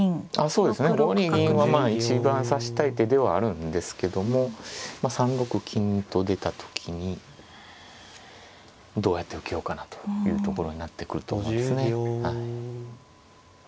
そうですね５二銀は一番指したい手ではあるんですけども３六金と出た時にどうやって受けようかなというところになってくると思うんですね。